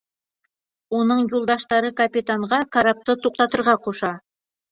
Уның юлдаштары капитанға карапты туҡтатырға ҡуша.